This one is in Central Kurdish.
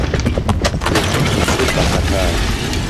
سێ سەت وشتر به قهتار